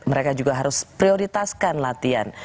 mereka juga harus prioritaskan latihan